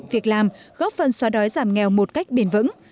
việc làm góp phần xóa đói giảm nghèo một cách bền vững